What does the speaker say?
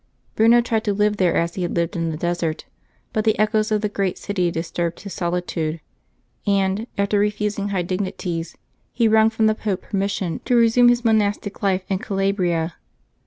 Bruno tried to live there as he had lived in the desert; but the echoes of the great city disturbed his solitude, and, after refusing high dignities, he wrung from the Pope permission to resume his monas tic life in Calabria.